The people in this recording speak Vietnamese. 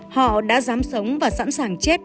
họ đã dám sống và sẵn sàng chết